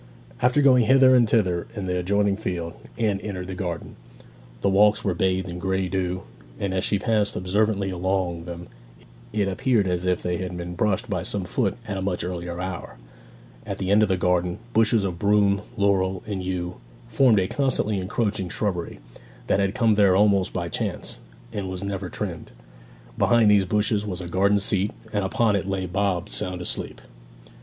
After going hither and thither in the adjoining field, Anne entered the garden. The walks were bathed in grey dew, and as she passed observantly along them it appeared as if they had been brushed by some foot at a much earlier hour. At the end of the garden, bushes of broom, laurel, and yew formed a constantly encroaching shrubbery, that had come there almost by chance, and was never trimmed. Behind these bushes was a garden seat, and upon it lay Bob sound asleep.